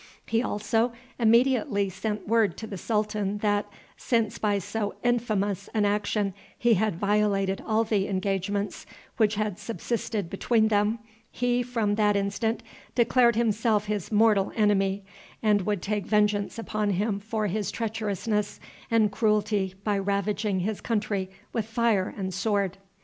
He also immediately sent word to the sultan that, since by so infamous an action he had violated all the engagements which had subsisted between them, he, from that instant, declared himself his mortal enemy, and would take vengeance upon him for his treacherousness and cruelty by ravaging his country with fire and sword.